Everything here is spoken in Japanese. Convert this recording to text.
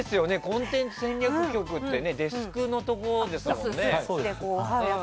コンテンツ戦略局ってデスクのところですもんね。